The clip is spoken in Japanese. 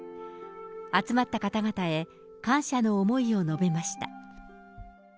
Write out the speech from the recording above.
集まった方々へ感謝の思いを述べました。